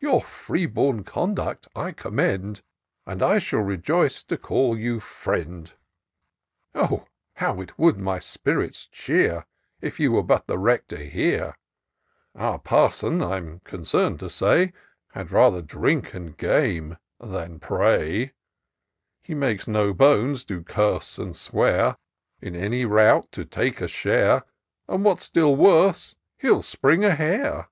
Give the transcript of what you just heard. Your free bom conduct I commend, And shall rejoice to call you friend : Oh ! how it would my spirits cheer K you were but the Rector here ! Our Parson, I'm concem'd to say. Had rather drink and game — than pray : He makes no bones to curse and swear. In any rout to take a share, And what's still worse, he'll springe a hare.